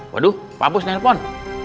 waduh pak bos nelfon